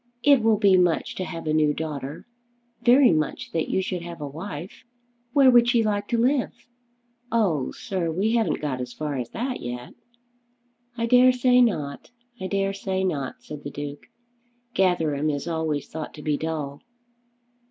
It will be much to have a new daughter; very much that you should have a wife. Where would she like to live?" "Oh, sir, we haven't got as far as that yet." "I dare say not; I dare say not," said the Duke. "Gatherum is always thought to be dull."